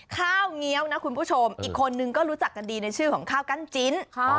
ข้าวเงี้ยวนะคุณผู้ชมอีกคนนึงก็รู้จักกันดีในชื่อของข้าวกั้นจิ้น